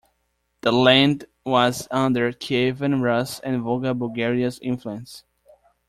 The land was under Kievan Rus' and Volga Bulgaria's influence.